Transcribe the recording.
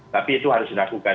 tapi itu harus dilakukan